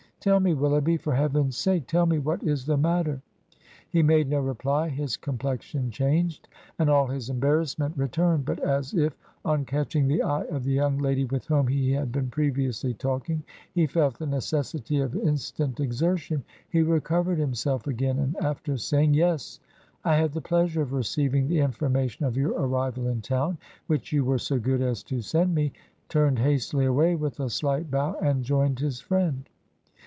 ... 'Tell me, Willoughby — for Heaven's sake, tell me, what is the matter?' He made no reply; his complexion changed, and all his embarrassment re turned; but as if, on catching the eye of the young lady with whom he had been previously talking, he felt the necessity of instant exertion, he recovered himself again, and after saying, * Yes, I had the pleasure of receiving the information of your arrival in town, which you were so good as to send me,' turned hastily away with a slight bow, and joined his friend.